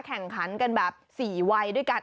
แข่งขันกันแบบ๔วัยด้วยกัน